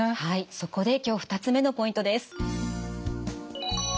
そこで今日２つ目のポイントです。